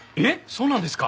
そうなんですか？